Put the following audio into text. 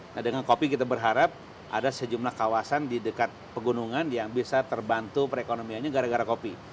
nah dengan kopi kita berharap ada sejumlah kawasan di dekat pegunungan yang bisa terbantu perekonomiannya gara gara kopi